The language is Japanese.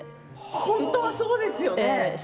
本当はそうですね。